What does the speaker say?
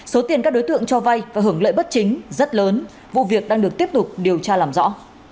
số tiền các đối tượng cho vay và hưởng lợi bất chính rất lớn vụ việc đang được tiếp tục điều tra làm rõ